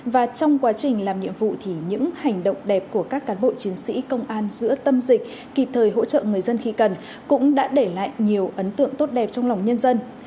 và trong quá trình làm nhiệm vụ thì những hành động đẹp của các cán bộ chiến sĩ công an giữa tâm dịch kịp thời hỗ trợ người dân khi cần cũng đã để lại nhiều ấn tượng tốt đẹp trong lòng nhân dân